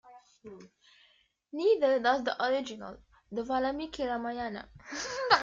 Neither does the original, the Valmiki Ramayana.